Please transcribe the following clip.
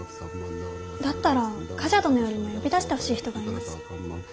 だったら冠者殿よりも呼び出してほしい人がいます。